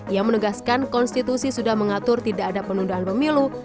ia menegaskan konstitusi sudah mengatur tidak ada penundaan pemilu